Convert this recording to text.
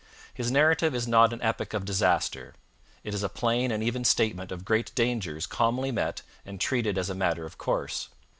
His narrative is not an epic of disaster. It is a plain and even statement of great dangers calmly met and treated as a matter of course.